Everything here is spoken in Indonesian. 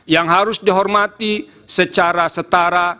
yang harus dihormati secara setara